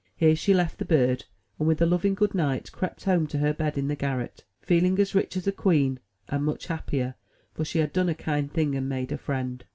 Here she left the bird, and, with a loving "Good night," crept home to her bed in the garret, feeling as rich as a queen, and much happier; for she had done a kind thing, and made a friend.